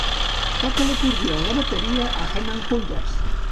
Toca l'acordió o la bateria a Heman Hunters.